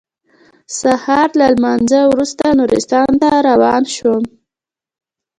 سهار له لمانځه وروسته نورستان ته روان شوم.